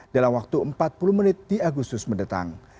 dalam waktu empat puluh menit di agustus mendatang